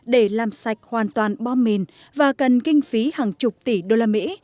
để làm sạch hoàn toàn bom mìn và cần kinh phí hàng chục tỷ đô la mỹ